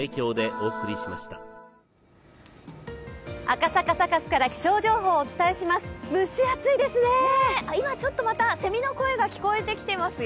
赤坂サカスから気象情報をお伝えします。